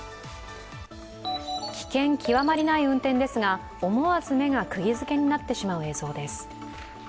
危険極まりない運転ですが思わず目がくぎづけになってしまう映像です。